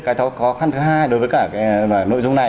cái khó khăn thứ hai đối với cả nội dung này